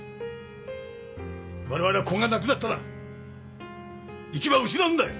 我々はここがなくなったら行き場を失うんだよ！